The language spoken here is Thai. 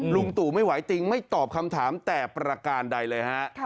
ลุงตู่ไม่ไหวติงไม่ตอบคำถามแต่ประการใดเลยฮะ